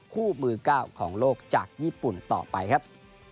คู่มือ๙ของโลกจากญี่ปุ่นต่อไปครับ